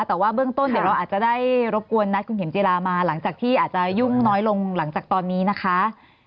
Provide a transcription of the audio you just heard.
แต่ว่าเบื้องต้นเดี๋ยวเราอาจจะได้รบกวนนัดคุณเข็มจิลามาหลังจากที่อาจจะยุ่งน้อยลงหลังจากตอนนี้นะคะ